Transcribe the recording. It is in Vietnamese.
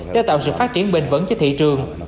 để tạo sự phát triển bền vấn cho thị trường